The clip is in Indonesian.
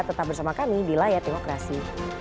tetap bersama kami di layar demokrasi